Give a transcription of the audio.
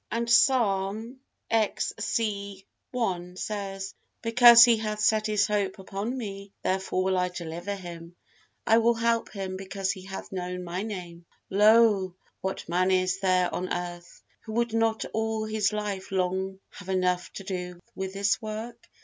And Psalm xci says, "Because he hath set his hope upon Me, therefore will I deliver him: I will help him, because he hath known My Name." Lo! what man is there on earth, who would not all his life long have enough to do with this work?